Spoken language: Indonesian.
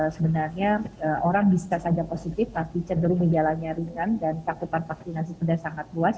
sebenarnya orang bisa saja positif tapi cenderung menjalannya ringan dan cakupan vaksinasi sudah sangat luas